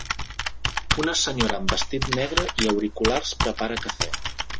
Una senyora amb vestit negre i auriculars prepara cafè